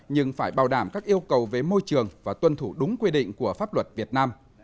nhưng phải bảo đảm các yêu cầu về môi trường và tuân thủ đúng quy định của pháp luật việt nam